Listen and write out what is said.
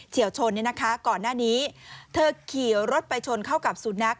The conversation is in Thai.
ชนก่อนหน้านี้เธอขี่รถไปชนเข้ากับสุนัข